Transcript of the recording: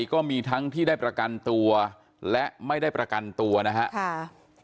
ก็มีทั้งที่ได้ประกันตัวและไม่ได้ประกันตัวนะครับ